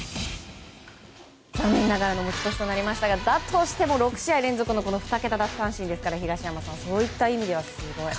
残念ながら持ち越しとなりましたがだとしても６試合で２桁奪三振ですからそういった意味ではすごい。